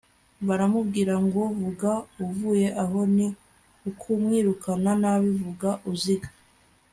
baramubwira, ngo «vuga uvuye aho». ni ukumwirukana nabi.vuga uziga